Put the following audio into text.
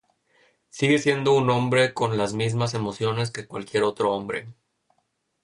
Sigue siendo un hombre con las mismas emociones que cualquier otro hombre.